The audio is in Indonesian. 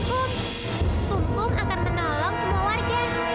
kumkum akan menolong semua warga